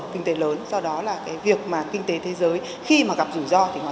kinh tế lớn do đó việc kinh tế thế giới khi gặp rủi ro